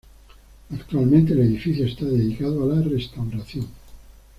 Actualmente, el edificio está dedicado a la restauración.